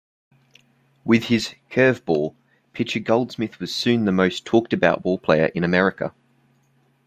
With his "curve ball", pitcher Goldsmith was soon the most talked-about ballplayer in America!